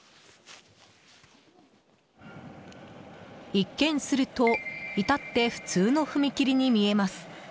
一見すると至って普通の踏切に見えます。